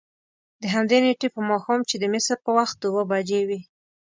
دهمدې نېټې په ماښام چې د مصر په وخت اوه بجې وې.